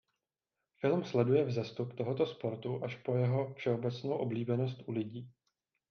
Film sleduje vzestup tohoto sportu až po jeho všeobecnou oblíbenost u lidí.